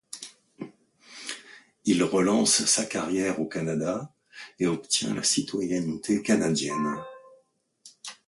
Il relance sa carrière au Canada et obtient la citoyenneté canadienne.